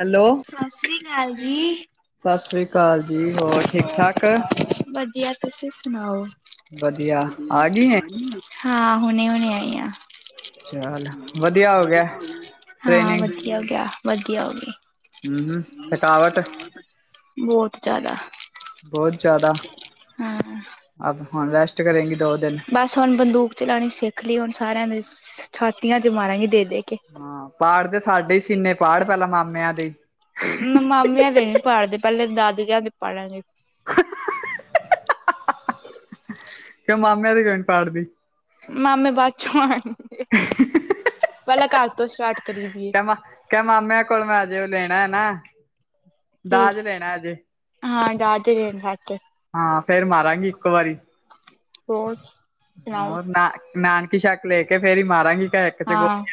Hello ਸਤਿ ਸ੍ਰੀ ਅਕਾਲ ਜੀ! ਸਤਿ ਸ੍ਰੀ ਅਕਾਲ ਜ! ਹੋਰ ਠੀਕ ਠਾਕ? ਵਧੀਆ ਤੁਸੀਂ ਸੁਣਾਓ? ਵਧੀਆ ਆ ਗਈ ਏਂ? ਹਾਂ ਹੁਣ-ੇ ਹੁਣੇ ਆਈ ਆ ਚੱਲ ਵਧੀਆ ਹੋ ਗਿਆ ਹਾਂ ਵਧਆ ਟ੍ਰੇਨਿੰਗ ਵਧੀਆ ਹੋਗ ਗਿਆ ਵਧੀਆ ਹੋ ਗਈ। ਹਮ ਹਮ ਥਕਾਵਟ ਬਹੁਤ ਜ਼ਿਆਦਾ। ਬਹੁਤ ਜਿਆਦਾ ਅ ਹਣ ਰੇਸਟ ਬਸ ਹੁਣ ਬੰਦੂਕ ਚਲਾਣੀ ਸਿੱਖ ਲਈ ਹੁਣ ਸਾਰਿਆਂ ਦੇ ਛਾਤੀਆਂ ਚ ਮਾਰਾਂਗੀ ਦੇ ਦੇ ਕੇ, ਹਾਂ ਪਾੜ ਤੇ ਸਾਡੇ ਸੀਨੇ ਪਾੜ ਪਹਿਲਾਂ ਮਾਮਿਆਂ ਦੇ, ਮਾਮਿਆਂ ਦੇ ਨੀ ਪੜਦੇ ਪਹਿਲੇ ਦਾਦਕਿਆਂ ਦੇ ਪੜ੍ਹਾਂਗੇ। ਕਿ ਮਾਮਿਆਂ ਦੇ ਕਿਉ ਨੀ ਪਾੜ ਦੇ। ਮਾਮੇ ਬਾਅਦ ਚੋਂ ਆ ਪਹਿਲਾਂ ਘਰ ਤੋਂ ਸਟਾਰਟ ਕਰੀ ਦੀਏ। ਕ ਮਾਮਿਆਂ ਕੋਲ ਮੈਂ ਆਜੇ ਉਹ ਲੈਣਾ ਹੈ ਨਾ, ਕੀ ਦਾਜ ਲੈਣਾ ਅਜੇ ਹਾਂ ਡਰ ਦੇਣ, ਹਾਂ ਫੇਰ ਮਾਰਾਂਗੀ ਇੱਕੋ ਵਾਰੀ ਹੋਰ ਸੁਣਾਓ ਹੋਰ ਨਾ ਨਾਨ ਸ਼ੱਕ ਲੈ ਕੇ ਫਿਰ ਹੀ ਮਾਰਾਂ ਗੀ ਕੇ। ਹਾਂ,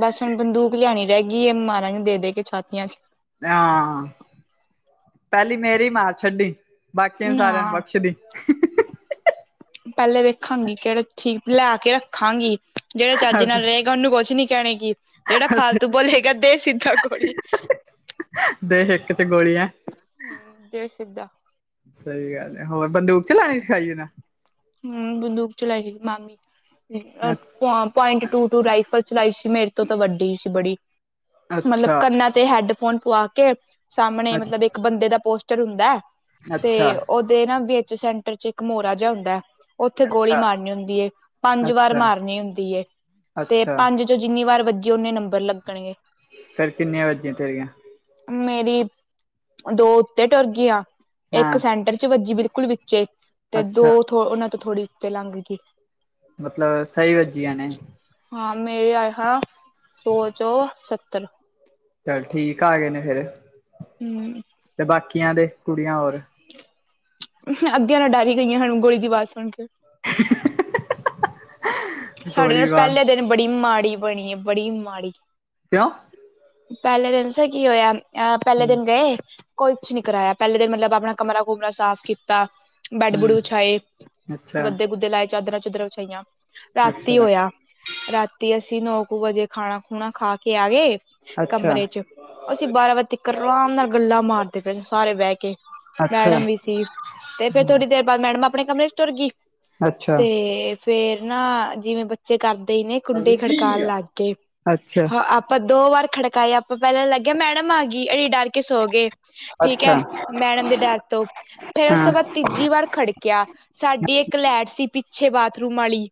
ਬਸ ਹੁਣ ਬੰਦੂਕ ਲਿਆਣੀ ਰਹਿ ਗਈ ਹੈ ਮਾਰਾ ਗੇ ਦੇ ਦੇ ਕੇ ਛਾਤੀਆਂ ਚ, ਹਾਂ, ਪਹਿਲੀ ਮੇਰੀ ਮਾਰ ਛੱਡੀ, ਬਾਕੀਆਂ ਸਾਰਿਆਂ ਨੂੰ ਨਾ ਬਖਸ਼ਦੀ ਪਹਿਲੇ ਵੇਖਾਂਗੀ, ਕਿਹੜਾ ਠੀਕ ਲੈ ਕੇ ਰੱਖਾਂਗੀ। ਜਿਹੜਾ ਚਜ ਅਸੀ ਨਾਲ ਰਹੇਗਾ, ਉਹਨੂੰ ਕੁਛ ਨੀ ਕਹਿਣੇ ਗੇ। ਜਿਹੜਾ ਫਾਲਤੂ ਬੋਲੇਗਾ ਦੇ ਸਿੱਧਾ ਗੋਲੀ। ਦੇ ਹਿੰਕ ਚ ਗੋਲੀਆ। ਜੇ ਸੀਦਾ ਸਹੀ ਗੱਲ ਹੈ, ਹੋਰ ਬੰਦੂਕ ਚਲਾਉਣੀ ਸਿਖਾਈਏ ਨਾ। ਹਮ, ਬੰਦੂਕ ਚਲਾਈ ਹੀ ਮਾਮੀ ਨੇ ਅ ਪੁਆਇੰਟ ਟੂ ਟੂ ਰਾਈਫਲ ਚਲਾਈ ਸੀ ਮੇਰੇ ਤੋਂ ਤਾਂ ਵੱਡੀ ਸੀ ਬੜੀ ਮਤਲਬ ਅੱਛਾ ਕਰਨਾ ਤੇ ਹੈਡਫੋਨ ਪਵਾ ਕੇ ਸਾਹਮਣੇ ਮਤਲਬ ਇੱਕ ਬੰਦੇ ਦਾ ਪੋਸਟਰ ਹੁੰਦਾ। ਤੇ ਅੱਛਾ ਉਹਦੇ ਨਾ ਵਿੱਚ ਸੈਂਟਰ ਚ ਮੋਹਰਾ ਜਿਹਾ ਹੁੰਦਾ ਉੱਥੇ ਗੋਲੀ ਅੱਛਾ ਮਾਰਨੀ ਹੁੰਦੀ ਏ, ਪੰਜ ਵਾਰ ਅੱਛਾ ਮਾਰਨੀ ਹੁੰਦੀ ਏ ਅੱਛਾ, ਜੋ ਜਿੰਨੀ ਵਾਰ ਵੱਜੀ ਓਨੇ ਨੰਬਰ ਲੱਗਣਗੇ। ਫੇਰ ਕਿੰਨੀਆਂ ਵੱਜੀਆਂ ਤੇਰੀਆਂ ਮੇਰੀ ਦੋ ਉੱਤੇ ਟੁਰ ਗਈਆਂ, ਇੱਕ ਹਾਂ ਸੈਂਟਰ ਚ ਵੱਜੀ ਬਿਲਕੁਲ, ਚੇ ਤੇ ਅੱਛਾ ਦੋ ਥੋ ਉਹਨਾਂ ਤੋਂ ਥੋੜੀ ਉੱਤੇ ਲੰਘ ਗਈ। ਮਤਲਬ ਸਹੀ ਵੱਜੀਆਂ ਨੇ, ਹਾਂ ਮੇਰੇ ਆਏ ਹਾਂ ਸੌ ਚੋਂ ਸੱਤਰ, ਚੱਲ ਠੀਕ ਆ ਗਏ ਨੇ ਫਿਰ, ਹਮ ਤੇ ਬਾਕੀਆਂ ਦੇ ਕੁੜੀਆਂ ਹੋਰ ਅੱਧੀਆਂ ਤੇ ਡਰ ਹੀ ਗਈਆਂ, ਗੋਲੀ ਦੀ ਵਾਜ਼ ਸੁਣ ਕੇ, [unintelligible] ਸਾਡੇ ਨਾਲ ਬਾਰ ਪਹਿਲੇ ਦਿਨ ਬੜੀ ਮਾੜੀ ਬਣੀ ਹੈ ਬੜੀ ਮਾੜੀ। ਕਿਉਂ? ਪਹਿਲੇ ਦਿਨ ਦਸਾ ਕੀ ਹੋਇਆ, ਅਹ ਪਹਿਲੇ ਦਿਨ ਗਏ। ਕੁਈ ਕੁਛ ਨੀ ਕਰਾਇਆ, ਪਹਿਲੇ ਦਿਨ ਮਤਲਬ ਆਪਣਾ ਕਮਰਾ ਕੁਮਰਾ ਸਾਫ਼ ਕੀਤਾ। ਬੈਡ ਬੁਡ ਹੂੰ ਵਿਛਾਏ ਅੱਛਾ ਗੱਦੇ-ਗੁੱਦੇ ਲਾਏ ਚਾਦਰਾਂ-ਚੁਦਰਾਂ ਵਛਾਈਆਂ। ਰਾਤੀ ਅੱਛਾ ਹੋਇਆ, ਰਾਤੀ ਅਸੀਂ ਨੋ ਕੁ ਵਜੇ ਖਾਣਾ, ਖੂਣਾ ਖਾ ਕੇ ਆ ਗਏ। ਅੱਛਾ ਕਮਰੇ ਚ ਅਸੀਂ ਬਾਰਾਂ ਵਾਜੇ ਤਿਕਨ ਆਰਾਮ ਨਾਲ ਗੱਲਾਂ ਮਾਰਦੇ ਪਏ, ਸਾਰੇ ਬਹਿ ਕੇ। ਅੱਛਾ ਮੈਡਮ ਵੀ ਸੀ, ਤੇ ਫੇਰ ਥੋੜ੍ਹੀ ਦੇਰ ਬਾਅਦ ਮੈਡਮ ਆਪਣੇ ਕਮਰੇ ਚ ਤੁਰ ਗਈ ਅੱਛਾ ਤੇ ਫਿਰ ਨਾ ਜਿਵੇਂ ਬੱਚੇ ਕਰਦੇ ਹੀ ਨੇ ਕੁੰਡੀ ਖੜਕਾਉਣ ਲੱਗ ਗਏ। ਅੱਛਾ ਆਪਾਂ ਦੋ ਵਾਰ ਖੜਕਾਇਆ ਆਪਾਂ ਪਹਿਲਾਂ ਲੱਗਿਆ ਮੈਡਮ ਆ ਗਈ ਇਹ ਡਰ ਕੇ ਸੋ ਗਏ ਠੀਕ ਅੱਛਾ ਹੈ, ਮੈਡਮ ਦੇ ਡਰ ਤੋਂ ਫੇਰ ਉਸ ਤੋਂ ਬਾਅਦ ਹਾਂ ਤੀਜੀ ਵਾਰ ਖੜਕਿਆ ਸਾਡੀ ਇੱਕ ਲੈਟ ਸੀ ਪਿੱਛੇ ਬਾਥਰੂਮ ਵਾਲੀ।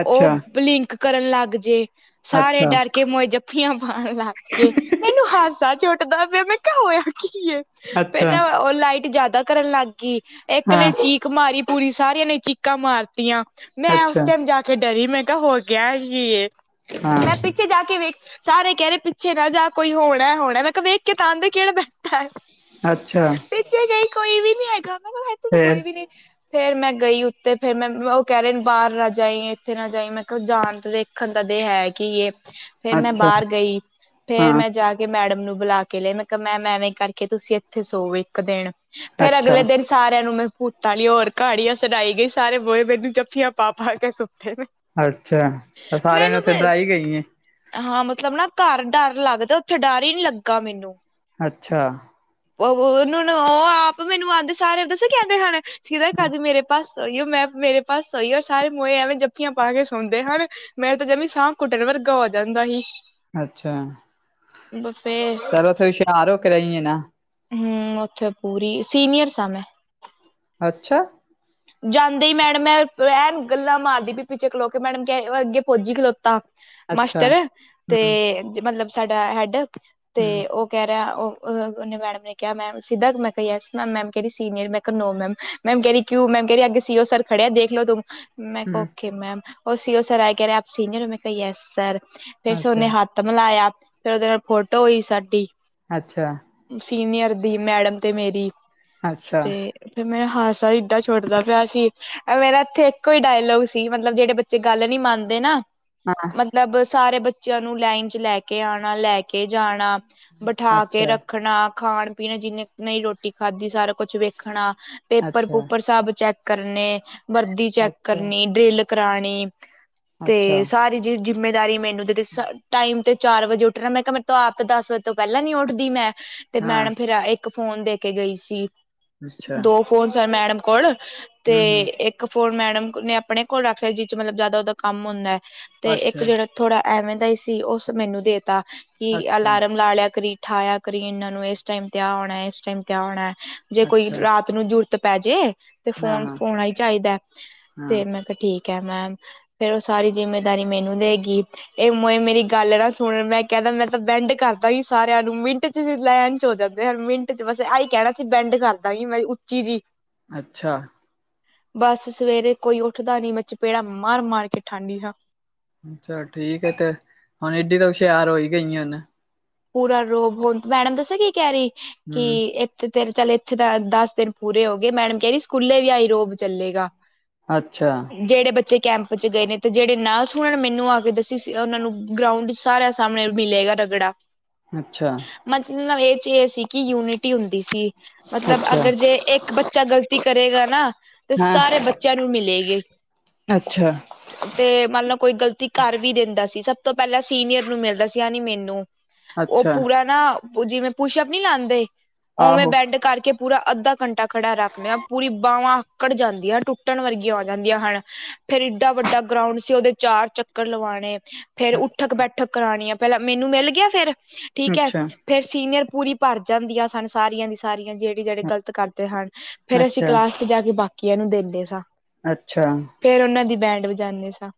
ਅੱਛਾ ਉਹ ਬਲੀਂਕ ਕਰਨ ਲੱਗ ਜੇ ਸਾਰੇ ਅੱਛਾ ਡਰ ਕੇ ਮੋਏ, ਪਠੀਆਂ ਮਾਰਨ ਲਗ ਗਏ ਮੈਨੂੰ ਹਾਸਾ ਚੁਟਦਾ ਪਿਆ ਮੈਂ ਕਿਹਾ ਹੋਇਆ ਕੀ ਹੈ। ਅੱਛਾ, ਉਹ ਲਾਈਟ ਜਿਆਦਾ ਕਰਨ ਲੱਗ ਗਈ ਇੱਕ ਹਾਂ ਨੇ ਚੀਕ ਮਾਰੀ ਪੂਰੀ ਸਾਰਿਆਂ ਨੇ ਚੀਕਾਂ ਮਾਰਤੀਆਂ ਮੈਂ ਉਸ ਅੱਛਾ ਟਾਈਮ ਜਾ, ਕੇ ਡਰੀ ਮੈਂ ਕਿਹਾ ਹੋ ਗਿਆ ਹੀ ਹਾਂ ਮੈਂ ਪਿੱਛੇ ਜਾ ਕੇ ਵੇਖ। ਸਾਰੇ ਕਹਿ ਰਹੇ ਪਿੱਛੇ ਨਾ ਜਾ ਕੋਈ ਹੋਣਾ, ਹੋਣਾ ਮੈਂ ਕਿਹਾ ਵੇਖ ਕੇ ਤਾਂ ਆਣ ਦੇ ਕਿਹੜਾ ਬੈਠਾ ਹੈ। ਅੱਛਾ। ਪਿੱਛੇ ਗਈ ਕੋਈ ਵੀ ਨੀ ਹੈਗਾ। ਮੈਂ ਇੱਥੇ ਤਾਂ ਫੇਰ ਕੋਈ ਵੀ ਨਹੀਂ। ਫਿਰ ਮੈਂ ਗਈ ਉੱਤੇ ਫਿਰ ਮੈਂ ਉਹ ਕਹਿ ਰਹੇ ਬਾਹਰ ਨਾ ਜਾਈ, ਇੱਥੇ ਨਾ ਜਾਈ। ਮੈਂ ਕਿਹਾ ਜਾਣ ਤੇ ਦੇ ਦੇਖਣ ਤਾ ਦੇ ਹੈ ਕਿ ਇਹ ਫਿਰ ਮੈਂ ਅੱਛਾ ਬਾਹਰ ਗਈ ਫਿਰ ਹਾਂ ਮੈਂ ਜਾ ਕੇ- ਮੈਡਮ ਨੂੰ ਬੁਲਾ ਕੇ ਲਿਆ ਈ, ਮੈਂ ਕਿਹਾ ਮੈਮ ਐਵੇਂ ਕਰਕੇ ਤੁਸੀਂ ਇੱਥੇ ਸੋਵੋ ਇੱਕ ਦਿਨ। ਫੇਰ ਅੱਛਾ ਅਗਲੇ ਦਿਨ- ਸਾਰਿਆਂ ਨੂੰ ਮੈਂ ਭੂਤਾਂ ਵਾਲੀਆ ਹੋਰ ਕਹਾਣੀਆਂ ਸੁਣਾਈ ਗਈ। ਸਾਰੇ ਮੋਏ ਮੈਨੂੰ ਜੱਫੀਆਂ ਪਾ, ਪਾ ਕੇ ਸੁੱਤੇ ਨੇ। ਅੱਛਾ, ਤਾਂ ਸਾਰਿਆਂ ਨੇ ਉੱਥੇ ਮੈਨੂੰ ਡਰਾਈ ਗਈ ਏ। ਹਾਂ ਮਤਲਬ ਨਾ ਕਾਰ ਡਰ ਲੱਗਦਾ ਉੱਥੇ ਡਾਰ ਹੀ ਨਹੀਂ ਲੱਗਾ ਮੈਨੂੰ। ਅੱਛਾ। ਭੂ ਉਹ ਨੂ ਨੂ ਆਪ ਮੈਨੂੰ ਆਂਦੇ ਸਾਰੇ ਦੱਸਾ ਕੀ ਕਹਿੰਦੇ ਹਨ, [unintelligible] ਕਦ ਮੇਰੇ ਪਾਸ ਸੋਇਯੋ ਮੈਂ ਮੇਰੇ ਪਾਸ ਸੋਇਯੋ ਸਾਰੇ ਮੋਏ ਆਵੇਂ ਜਪ ਜੱਫੀਆਂ ਪਾ ਕੇ ਸੌਦੇ ਹਨ, ਮੇਰਾ ਤਾਂ ਜਮੀ ਸਾਹ ਕੁੱਟਣ ਵਰਗਾ ਹੋ ਜਾਂਦਾ ਸੀ। ਅੱਛਾ। ਤੇ ਫੇਰ ਪਰ ਉੱਥੇ ਹੁਸ਼ਿਆਰ ਹੋ ਕੇ ਰਹੀ ਏ ਨਾ। ਹੂ, ਉੱਥੇ ਪੂਰੀ ਸੀਨੀਅਰ ਸਾ ਮੈਂ। ਅੱਛਾ। ਜਾਂਦੇ ਹੀਈ ਮੈਡਮ ਮੈਂ ਐ ਗੱਲਾਂ ਮਾਰਦੀ ਪਈ ਪਿੱਛੇ ਖਲੋ ਕੇ ਮੈਡਮ ਕ ਅੱਗੇ ਫੋਜੀ ਖਲੋਤਾ। ਅੱਛਾ ਮਾਸਟਰ ਤੇ ਹਮ ਮਤਲਬ ਸਾਡਾ ਹੈਡ ਤੇ ਹਮ ਉਹ ਕਹਿ ਰਿਹਾ ਓ ਅ ਉਹਨੇ ਮੈਡਮ ਨੇ ਕਿਹਾ ਮੈ ਸਿਦਕ ਮੈਂ ਕਿਹਾ ਯਸ ਮੈਮ ਮੈਮ ਕਿਹੜੀ ਸੀਨੀਅਰ ਮੈਂ ਕਿਹਾ ਨੋ ਮੈਮ ਮੈਮ ਕਹ ਰੀ ਕਿ ਓ ਮੈਮ ਕਹਿ ਰੀ ਅੱਗੇ ਸੀ-ਉਹ ਸਰ ਖੜੇ ਐ ਦੇਖ ਲਓ ਤੁਮ, ਮੈਂ ਹਮ ਓਕੇ ਮੈਮ। ਉਹ ਸੀ-ਓ ਸਰ ਆਏ ਕਹਿ ਰਹੇ ਆਪ ਸੀਨੀਅਰ ਹੋ, ਮੈਂ ਕਿਹਾ ਯੱਸ ਸਰ, ਫੇਰ ਸਰ ਅੱਛਾ ਨੇ ਹੱਥ ਥ ਮਿਲਾਇਆ, ਫੇਰ ਉਹਦੇ ਨਾਲ ਫੋਟੋ ਹੋਈ ਸਾਡੀ। ਅੱਛਾ। ਸੀਨੀਅਰ ਦੀ ਮੈਡਮ ਤੇ ਮੇਰੀ, ਅੱਛਾ ਤੇ ਫੇਰ ਮੈਂ ਹਾਸਾ ਏਡਾਂ ਛ ਛੋਟਦਾ ਪਿਆ ਸੀ, ਮੇਰਾ ਇੱਥੇ ਇੱਕੋ ਹੀ ਡਾਇਲੋਗ ਸੀ ਮਤਲਬ ਜਿਹੜੇ ਬੱਚੇ ਗੱਲ ਨੀ ਮੰਨਦੇ ਨਾ ਹਾਂ ਮਤਲਬ ਸਾਰੇ ਬੱਚਿਆਂ ਨੂੰ ਲਾਈਨ ਚ ਲੈ ਕੇ ਆਣਾ, ਲੈ ਕੇ ਜਾਣਾ। ਬਿਠਾ ਕੇ ਅੱਛਾ ਰੱਖਣਾ, ਖਾਣ-ਪੀਣ ਜਿੰਨੇ ਨਹੀਂ ਰੋਟੀ ਖਾਧੀ ਸਾਰਾ ਕੁਛ ਵੇਖਣਾ। ਪੇਪਰ ਅੱਛਾ ਪੂਪਰ ਸਬ ਚੈੱਕ ਕਰਨੇ, ਵਰਦੀ ਚੈੱਕ ਅੱਛਾ ਕਰਨੀ, ਡਰਿਲ ਕਰਾਣੀ। ਅੱਛਾ ਤੇ ਸਾਰੀ ਜੀ-ਜਿੰਮੇਦਾਰੀ ਮੈਨੂੰ ਦਿੱਤੀ, ਸ ਟਾਈਮ ਤੇ ਚਾਰ ਵਜੇ ਉੱਠਣਾ, ਮੈਂ ਕਿਹਾ ਮੈ ਆਪ ਦਸ ਵਜੇ ਤੋਂ ਪਹਿਲਾਂ ਨੀ ਉੱਠਦੀ ਮੈਂ। ਤੇ ਹਾਂ ਮੈਡਮ ਫੇਰ ਇੱਕ ਫੋਨ ਦੇ ਕੇ ਗਈ ਸੀ, ਅੱਛਾ ਦੋ ਫੋਨ ਸਨ ਮੈਡਮ ਕੋਲ। ਤੇ ਹੂੰ ਹੂੰ ਇੱਕ ਫੋਨ ਮੈਡਮ ਨੇ ਆਪਣੇ ਕੋਲ ਰੱਖ ਲਿਆ, ਜਿਸ ਚ ਮਤਲਬ ਜਿਆਦਾ ਉਹਦਾ ਕੰਮ ਹੁੰਦਾ। ਤੇ ਇੱਕ ਅੱਛਾ ਜਿਹੜਾ ਥੋੜਾ ਐਵੇਂ ਦਾ ਹੀ ਸੀ, ਉਹ ਮੈਨੂੰ ਦੇਤਾ ਕਿ ਅੱਛਾ ਅਲਾਰਮ ਲਾ ਲਿਆ ਕਰੀ। ਉਠਾਇਆ ਕਰੀ ਇਹਨਾਂ ਨੂੰ, ਇਸ ਟਾਈਮ ਤੇ ਆ ਹੋਣਾ, ਇਸ ਟਾਈਮ ਆ ਹੋਣਾ, ਜੇ ਕੋਈ ਅੱਛਾ ਰਾਤ ਤ ਨੂ ਜੁਰਤ ਪੈ ਜੇ, ਤੇ ਹਾਂ ਫੋਨ ਹਾਂ ਹੋਣਾ ਹੀ ਚਾਹੀਦਾ, ਹਾਂ ਤੇ ਮੈਂ ਕਿਹਾ ਠੀਕ ਐ ਮੈਮ। ਫੇਰ ਉਹ ਸਾਰੀ ਜਿੰਮੇਦਾਰੀ ਮੈਨੂੰ ਦੇ ਗਈ। ਇਹ ਮੋਏ ਮੇਰੀ ਗੱਲ ਨਾ ਸੁਣਨ, ਮੈਂ ਕਹਿ ਤਾਂ ਬੈਂਡ ਕਰਦਾ ਸੀ ਸਾਰਿਆਂ ਨੂੰ ਮਿੰਟ ਚ ਲਾਈਨ ਚ ਹੋ ਜਾਂਦੇ, ਮਿੰਟ ਚ, ਬਸ ਆਹੀ ਕਹਿਣਾ ਸੀ ਬੈਂਡ ਕਰਦਾ ਹੀ ਮੈਂ ਉੱਚੀ ਜੀ ਅੱਛਾ। ਬਸ ਸਵੇਰੇ ਕੋਈ ਉੱਠਦਾ ਨੀ, ਮੈਂ ਚਪੇੜਾ ਮਾਰ-ਮਾਰ ਕੇ ਉਠਾਂਨੀ ਹਾਂ। ਚਲ ਠੀਕ ਐ ਤੇ, ਹੁਣ ਏਡੀ ਤਾਂ ਹੁਸ਼ਿਆਰ ਹੋਈ ਗਈ ਏ ਨ। ਪੂਰਾ ਰੋਬ ਹੁਣ, ਮੈਡਮ ਦੱਸਾ ਕੀ ਕਹਿ ਰਹੀ ਕਿ ਹੂੰ ਏ ਤੇ ਤੇਰੇ ਚੱਲ ਇੱਥੇ ਤਾਂ ਦਸ ਦਿਨ ਪੂਰੇ ਹੋ ਗਏ, ਮੈਡਮ ਕਹਿ ਰੀ ਸਕੂਲੇ ਵੀ ਆਈ ਰੋਬ ਚੱਲੇਗਾ। ਅੱਛਾ। ਜਿਹੜੇ ਬੱਚੇ ਕੈਂਪ ਚ ਗਏ ਨੇ, ਤੇ ਜਿਹੜੇ ਨਾ ਸੁਣਨ ਮੈਨੂੰ ਆ ਕੇ ਦੱਸੀ ਸੀ ਉਹਨਾਂ ਨੂੰ ਗਰਾਊਂਡ ਸਾਰਿਆਂ ਸਾਹਮਣੇ ਮਿਲੇਗਾ ਰਗੜਾ। ਅੱਛਾ। ਮਤਲਬ ਇਹ ਚ ਇਹ ਸੀ ਕਿ ਯੂਨਿਟੀ ਹੁੰਦੀ ਸੀ ਮਤਲਬ ਅੱਛਾ ਅਗਰ ਜੇ ਇੱਕ ਬੱਚ ਚਾ ਗ਼ਲਤੀ ਕਰੇਗਾ ਨਾ ਤੇ ਹਾਂ ਸਾਰੇ ਬੱਚਿਆਂ ਨੂੰ ਮਿਲੇਗੀ। ਅੱਛਾ ਤੇ ਮੰਨ ਲਓ ਕੋਈ ਗ਼ਲਤੀ ਕਰ ਵੀ ਦਿੰਦਾ ਸੀ, ਸਭ ਤੋਂ ਪਹਿਲਾਂ ਸੀਨੀਅਰ ਨੂੰ ਮਿਲਦਾ ਸੀ ਯਾਨੀ ਮੈਨੂੰ। ਉਹ ਅੱਛਾ ਪੂਰਾ ਨਾ ਜਿਵੇਂ ਪੁਸ਼ਪ ਨੀ ਲਾਂਦੇ ਉਵੇਂ ਆਹੋ ਬੈਂਡ ਕਰਕੇ ਪੂਰਾ ਅੱਧਾ ਘੰਟਾ ਖੜਾ ਰੱਖ ਲਿਆ, ਪੂਰੀ ਬਾਹਵਾਂ ਅਕੜ ਜਾਂਦੀਆਂ ਟੁੱਟ ਟੁੱਟਣ ਵਰਗੀਆਂ ਹੋ ਜਾਂਦੀਆਂ ਹਨ, ਫੇਰ ਏਡਾ ਵੱਡਾ ਗਰਾਉਂਡ ਸੀ ਉਹਦੇ ਚਾਰ ਚੱਕਰ ਲਵਾਣੇ। ਫੇਰ ਉੱਠਕ ਬੈਠਕ ਕਰਾਣੀਆਂ ਪਹਿਲਾਂ ਮੈਨੂੰ ਮਿਲ ਗਿਆ ਫੇਰ ਠੀਕ ਏ। ਅੱਛਾ ਫੇਰ ਸੀਨੀਅਰ ਪੂਰੀ ਭਰ ਜਾਂਦੀਆਂ ਸਨ ਸਾਰੀਆਂ ਦੀ ਸਾਰੀਆਂ ਜਿਹੜੇ ਜਿਹੜੇ ਗ਼ਲਤ ਕਰਦੇ ਹਨ। ਫਿਰ ਅਸੀਂ ਅੱਛਾ ਕਲਾਸ ਚ ਜਾ ਕੇ ਬਾਕੀਆਂ ਨੂੰ ਦਿੰਦੇ ਸਾਂ। ਅੱਛਾ ਫੇਰ ਉਹਨਾਂ ਦੀ ਬੈਂਡ ਵਜਾਦੇ ਸਾਂ।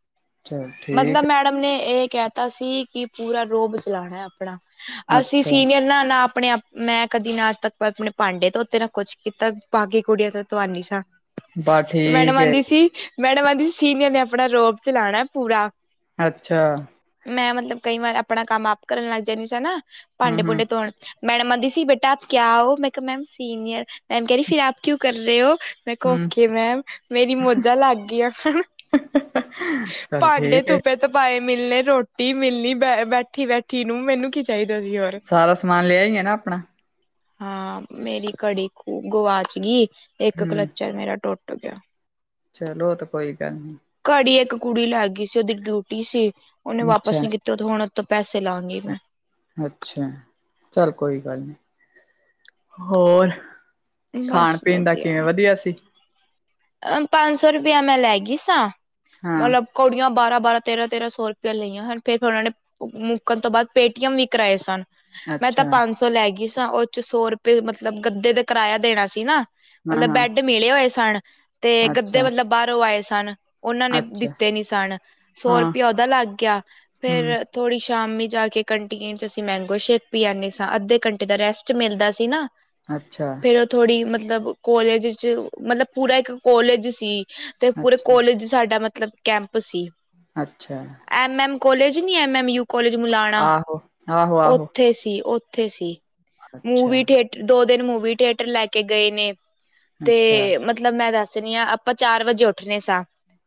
ਚਲ ਮਤਲਬ ਠੀਕ ਮੈਂ ਮੈਡਮ ਨੇ ਇਹ ਕਹਿਤਾ ਸੀ ਕਿ ਪੂਰਾ ਰੋਬ ਚਲਾਉਣਾ ਆਪਣਾ। ਹੈ। ਅਸੀਂ ਅੱਛਾ ਸੀਨੀਅਰ ਨਾ ਨਾ ਆਪਣੇ- ਆਪ ਮੈਂ ਕਦੀ ਨਾ ਤੱਕ ਆਪਣੇ ਭਾਂਡੇ ਧੋਤੇ ਉੱਤੇ ਨਾ ਕੁਛ ਕੀਤਾ ਬਾਕੀ ਕੁੜੀਆਂ ਤੋਂ ਤੁਹਾਨੀ ਸਾਂ। ਬਸ ਤੇ ਮੈਡਮ ਠੀਕ ਹੈ ਆਦੀ ਸੀ ਮੈਡਮ ਆਂਦੀ ਸੀ ਸੀਨੀਅਰ ਨੇ ਆਪਣਾ ਰੋਬ ਚਲਾਉਣਾ ਪੂਰਾ ਅੱਛਾ ਮੈਂ ਮਤਲਬ ਕਈ ਵਾਰ ਆਪਣਾ ਕੰਮ ਆਪ ਕਰਨ ਲੱਗ ਜਾਂਦੀ ਸੀ ਨਾ ਹੂੰ ਭਾਂਡੇ ਹੂੰ ਭੂੰਡੇ ਧੋਣ ਮੈਡਮ ਆਦੀ ਸੀ ਬੇਟਾ ਆਪ ਕਿਆ ਹੋ?, ਮੈਂ ਕਿਹਾ ਮੈਮ ਸੀਨੀਅਰ ਮੈਮ ਕਹਿ ਰਹੀ ਫੇਿਰ ਆਪ ਕਿਉਂ ਕਰ ਰਹੇ ਹੋ? ਮੈਂ ਕਿਹਾ ਹੂੰ ਓਕੇ ਮੈਮ ਮੇਰੀ ਮੌੋਜਾਂ ਲੱਗ ਗਈ ਆ। ਹੂ, ਹੂ। ਚੱਲ ਠੀਕ ਏ। ਪੈਸੇ ਮਿਲਣੇ, ਰੋਟੀ ਮਿਲਣੀ, ਬੈਠੀ-ਬੈਠੀ ਨੂੰ ਮੈਨੂੰ ਕੀ - ਚਾਹੀਦਾ ਸੀ ਯਾਰ। ਸਾਰਾ ਸਮਾਨ ਲਿਆਈ ਹੈ ਨਾ ਆਪਣਾ ਹਾਂ ਮੇਰੀ ਘੜੀ ਖੂ ਗਵਾਚ ਗਈ ਇੱਕ ਹੂੰ ਕਲਚਰ ਮੇਰਾ ਟੋਟ [inaudible] ਚਲੋ ਤੇ ਕੋਈ ਗੱਲ ਨਹੀਂ। ਘੜੀ ਇੱਕ ਕੁੜੀ ਲੈ ਗਈ ਸੀ। ਉਹਦੀ ਡਿਊਟੀ ਸੀ ਉਹਨੇ ਵਾਪਿਸ ਅੱਛਾ ਨੀ ਕੀਤੀ। ਜਦੋਂ ਹੁਣ ਉੋਂਤੋਂ ਪੈਸੇ ਲਾਂਗੀ ਮੈਂ। ਅੱਛਾ! ਚੱਲ ਕੋਈ ਗੱਲ ਨੀ ਹੋਰ? ਬਸ ਖਾਣ ਪੀਣ ਦਾ ਕਿਵੇਂ ਵਧੀਆ ਸੀ? ਅ ਪੰਜ ਸੌ ਰੁਪਇਆ ਮੈਂ ਲੈ ਗਈ ਸਾਂ। ਹਾਂ ਮਤਲਬ ਕੌੜੀਆਂ ਬਾਰਾਂ -ਬਾਰਾਂ, ਤੇਰਾਂ -ਤੇਰਾਂ ਸੌ ਰੁਪਇਆ ਲਈਆਂ ਹਨ ਫਿਰ ਉਹਨਾਂ ਨੇ ਮੁੱਕਣ ਤੋਂ ਬਾਅਦ ਪੇਟੀਐਮ ਵੀ ਕਰਵਾਏ ਸਨ। ਮੈਂ ਤਾਂ ਅੱਛਾ ਪੰਜ ਸੌ ਲੈ ਗਈ ਸਾਂ ਉਹ ਚ ਸੌ ਰੁਪਏ ਮਤਲਬ ਗੱਦੇ ਦਾ ਕਿਰਾਇਆ ਦੇਣਾ ਸੀ ਨਾ। ਹਾਂ ਮਤਲਬ ਹਾਂ ਬੈਡ ਮਿਲੇ ਹੋਏ ਸਨ, ਤੇ ਗੱਦੇ ਅੱਛਾ ਮਤਲਬ ਬਾਹਰੋਂ ਆਏ ਸਨ। ਉਹਨਾਂ ਨੇ ਅੱਛਾ ਦਿੱਤੇ ਨੀ ਸਨ ਸੌ ਹਾਂ ਰੁਪਇਆ ਉਹਦਾ ਲੱਗ ਗਿਆ। ਹਮ ਫੇਿਰ ਥੋੜ੍ਹੀ ਸ਼ਾਮੀ ਜਾ ਕੇ ਕੰਟੀਨ ਚ ਅਸੀਂ ਮੈਂਗੋ ਸ਼ੇਕ ਪੀਉਦੇ ਸਾਂ ਅੱਧੇ ਘੰਟੇ ਦਾ ਰੈਸਟ ਮਿਲਦਾ ਸੀ ਨਾ। ਅੱਛਾ ਜ ਥੋੜ੍ਹੀ ਮਤਲਬ ਕੋਲੇਜ ਚ ਮਤਲਬ ਪੂਰਾ ਇੱਕ ਕੋਲੇਜ ਸੀ। ਤੇ ਪੂਰੇ ਅੱਛਾ ਕੋਲੇਜ ਸਾਡਾ ਮਤਲਬ ਕੈਂਪ ਸੀ। ਅੱਛਾ ਐਮ- ਐਮ ਕੋਲਜ ਨੀ M M U college Mullana ਆਹੋ ਆਹੋ ਉ ਆਹੋ ਓਥੇ ਸੀ ਉਥੇ ਸੀ। ਅੱਛਾ ਮੂਵੀ ਥੀਏਟ ਦੋ ਦਿਨ ਮੂਵੀ ਥਏਟਰ ਲੈ ਕੇ ਗਏ ਨ। ੇ ਤੇ ਅੱਛਾ ਮਤਲ ਮਤਲਬ ਮੈਂ ਦੱਸਦੀ ਹਾਂ ਆਪਾਂ ਚਾਰ ਵਜੇ ਉੱਠਣੇ ਸਾਂ।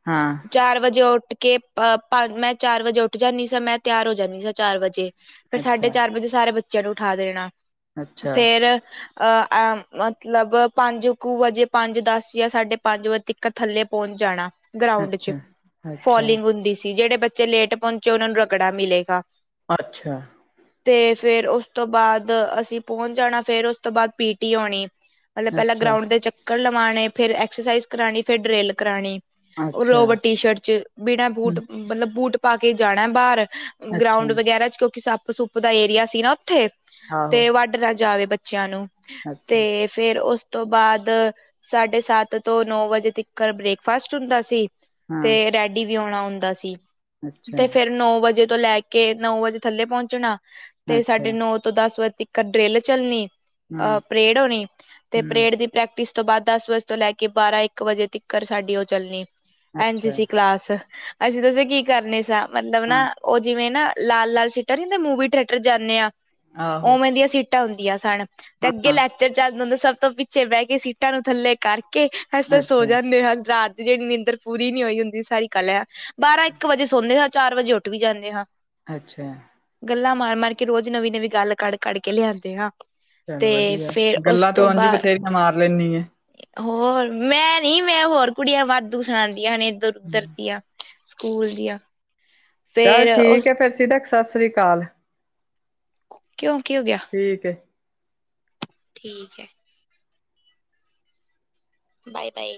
ਹਾਂ ਚਾਰ ਵਜੇ ਉੱਠ ਕੇ ਅਹ ਮੈਂ ਚਾਰ ਵਜੇ ਉੱਠ ਜਾਂਦੀ ਸਾਂ ਮੈਂ ਤਿਆਰ ਹੋ ਜਾਂਦੀ ਸਾਂ ਚਾਰ ਵਜੇ। ਫੇਰ ਸਾਢੇ ਅੱਛਾ ਚਾਰ ਵਜੇ ਸਾਰੇ ਬੱਚਿਆਂ ਨੂੰ ਉਠਾ ਦੇਣਾ। ਅੱਛਾ ਫੇਰ ਅਹ ਅ ਮਤਲਬ ਪੰਜ ਕੂ ਵਜੇ ਪੰਜ ਦਸ ਜਾਂ ਸਾਡੇ ਪੰਜ ਵਜੇ ਤਕ ਥੱਲੇ ਪਹੁੰਚ ਜਾਣਾ ਗਰਾਉਂਡ ਚ ਅੱਛਾ ਅੱਛਾ ਫੋਲਿੰਗ ਹੁੰਦੀ ਸੀ। ਜਿਹੜੇ ਬੱਚੇ ਲੇਟ ਪਹੁੰਚੇ ਉਹਨਾਂ ਨੂੰ ਰਗੜਾ ਮਿਲੇਗਾ। ਅੱਛਾ ਤੇ ਫੇਰ ਉਸ ਤੋਂ ਬਾਅਦ ਅਸੀਂ ਪਹੁੰਚ ਜਾਣਾ ਫੇਰ ਉਸ ਤੋਂ ਬਾਅਦ ਪੀ- ਟੀ ਆਉਣੀ। ਮਤਲਬ ਪਹਿਲਾਂ ਅੱਛਾ ਗਰਾਾਉਂਡ ਦੇ ਚੱਕਰ ਲਵਾਉਣੇ ਫਿਰ ਐਕਸਰਸਾਈਜ਼ ਕਰਾਣੀ, ਫਿਰ ਡਰਿੱਲ ਕਰਾਣੀ। ਉਹ ਅੱਛਾ ਰੋਬਰਟ ਟੀ ਸ਼ਰਟ ਚ ਬਿਨਾਂ ਬੂਟ ਹਮ ਮਤਲਬ ਬੂਟ ਪਾ ਕੇ ਜਾਣਾ ਬਾਹਰ। ਅੱਛਾ ਗਰਾਊਂਡ ਵਗੈਰਾ ਚ ਕਿਉਂਕਿ ਸੱਪ ਸੁੱਪ ਦਾ ਏਰੀਆ ਸੀ ਨਾ ਉੱਥੇ। ਆਹੋ ਤੇ ਵੱਢ ਨਾ ਜਾਵੇ ਬੱਚਿਆਂ ਨੂੰ ਅੱਛਾ ਤੇ ਫੇਰ ਉਸ ਤੋਂ ਬਾਅਦ ਸਾਢੇ ਸੱਤ ਤੋਂ ਨੌ ਵਜੇ ਤੱਕਰ ਬ੍ਰੇਕਫਾਸਟ ਹੁੰਦਾ ਸੀ ਤੇ ਹਾਂ ਰੈਡੀ ਵੀ ਆਉਣਾ ਹੁੰਦਾ ਸੀ। ਤੇ ਅੱਛਾ ਫੇਿਰ ਨੌ ਵਜੇ ਤੋਂ ਲੈ ਕੇ ਨੌ ਵਜੇ ਥੱਲੇ ਪਹੁੰਚਣਾ ਤੇ ਅੱਛਾ ਸਾਡੇ ਨੌ ਤੋਂ ਦਸ ਵਜੇ ਤੱਕ ਇੱਕ ਡਰਿੱਲ ਚੱਲਣੀ। ਹਾਂ ਅਹ ਪਰੇਡ ਹੋਣੀ ਤੇ ਹੂੰ ਪਰੇਡ ਦੀ ਪ੍ਰੈਕਟਿਸ ਤੋਂ ਬਾਅਦ ਦਸ ਵਜੇ ਤੋਂ ਲੈ ਕੇ ਬਾਰ੍ਹਾਂ ਇੱਕ ਵਜੇ ਤੱਕ ਸਾਡੀ ਉਹ ਚੱਲਣੀ ਐਨ ਸੀ ਅੱਛਾ ਸੀ ਕਲਾਸ। ਅਸੀਂ ਤੁਸੀ ਕੀ ਕਰਨੇ ਸਾ। ਮਤਲਬ ਨਾ ਹਾਂ ਉਹ ਜਿਵੇਂ ਨਾ ਲਾਲ- ਲਾਲ ਸੀਟਾਂ ਨੀ ਕਦੇ ਮੂਵੀ ਥੀਏਟਰ ਜਾਂਦੇ ਆ ਆਹੋ ਉਵੇਂ ਦੀਆਂ ਸੀਟਾਂ ਟਾਂ ਹੁੰਦੀਆਂ ਸਨ। ਤੇ ਅੱਗੇ ਹਾਂ ਲੈਕਚਰ ਚੱਲਦਾ ਹੁੰਦਾ, ਸਭ ਤੋਂ ਪਿੱਛੇ ਬਹਿ ਕੇ ਸੀਟਾਂ ਨੂੰ ਥੱਲੇ ਕਰਕੇ ਅ ਤਾਂ ਸੋ ਅੱਛਾ ਜਾਂਦੇ ਆ। ਰਾਤ ਦੇ ਜਿਹੜੀ ਨੀਦਰ ਪੂਰੀ ਨੀ ਹੋਈ ਹੁੰਦੀ। ਬਾਰਾਂ- ਇੱਕ ਵਜੇ ਸੌਦੇ ਹਾਂ। ਚਾਰ ਵਜੇ ਉੱਠ ਵੀ ਜਾਂਦੇ ਹਾਂ। ਅੱਛਾ। ਗੱਲਾਂ ਮਾਰ- ਮਾਰ ਕੇ ਰੋਜ਼ ਨਵੀਂ- ਨਵੀਂ ਗੱਲ ਕੱਢ- ਕੱਢ ਕੇ ਲਿਆਂਦੇ ਆਂ। ਚੱਲ ਵਧੀਆ। ਗੱਲਾਂ ਤੂੰ ਹਾਂਜੀ ਬਾਅਦ ਬਥੇਰੀਆਂ ਮਾਰ ਲੈਦੀ ਆ। ਹੋਰ, ਮੈਂ ਨੀ ਮੈਂ ਹੋਰ ਕੁੜੀਆਂ ਵਾਧੂ ਸੁਣਾਉਦੀਆਂ ਹਨ ਇੱਧਰ- ਉਧਰ ਦੀਆਂ। ਸਕੂਲ ਦੀਆਂ। ਚੱਲ ਫੇਰ ਠੀਕ ਉਸ ਹੈ, ਫੇਰ ਸਿਦਕ, ਸਤਿ ਸ੍ਰੀ ਅਕਾਲ। ਕਿਉਂ ਕੀ ਹੋ ਗਿਆ? ਠੀਕ ਏ। ਠੀਕ ਹੈ। Bye- bye.